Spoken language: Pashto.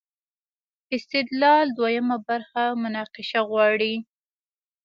استدلال دویمه برخه مناقشه غواړي.